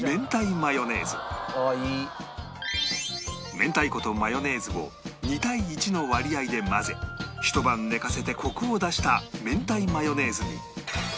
明太子とマヨネーズを２対１の割合で混ぜひと晩寝かせてコクを出した明太マヨネーズに